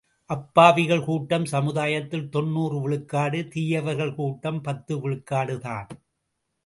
அப்பாவிகள் கூட்டம் சமுதாயத்தில் தொன்னூறு விழுக்காடு தீயவர்கள் கூட்டம் பத்து விழுக்காடு தான்.